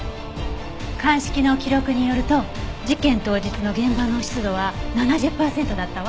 鑑識の記録によると事件当日の現場の湿度は７０パーセントだったわ。